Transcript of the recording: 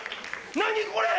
何これ？